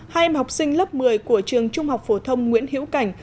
hai em học sinh lớp một mươi của trường trung học phổ thông nguyễn hiễu cảnh